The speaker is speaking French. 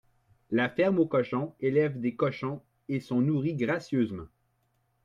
La ferme aux cochons élèvent des cochons et sont nourris gracieusement